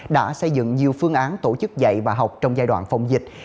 đã xây dựng nhiều phương án tổ chức dạy và học trong giai đoạn phòng dịch